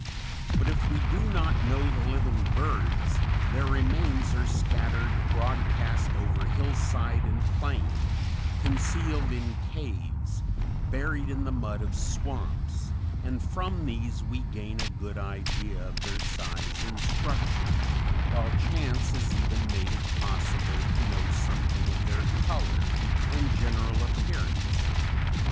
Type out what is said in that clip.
But if we do not know the living birds, their remains are scattered broadcast over hillside and plain, concealed in caves, buried in the mud of swamps, and from these we gain a good idea of their size and structure, while chance has even made it possible to know something of their color and general appearance.